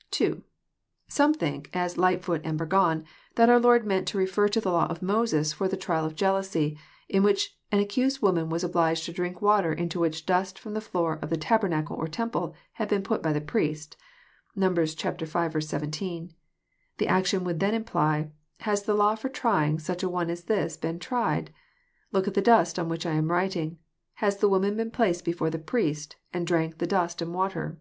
» JOHN, CHAP. vni. 71 (2) Some think, as Ll.srhtfoot and Burgon, that oiir Lord meant to refer to the law of Moses for the trial of jealousy, in which an accused woman was obliged to drink water into which dust from the floor of the tabernacle or temple had been put by the priest. (Num. v. 17.) The action would then imply, " Has the law for trying such an one as this been tried? Look at the dast on which I am writing. Has the woman been placed before the priest, and drank of the dust and water?